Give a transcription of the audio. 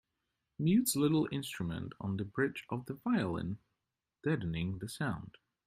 Mutes little instruments on the bridge of the violin, deadening the sound.